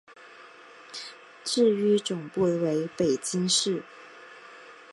至于总部为北京市。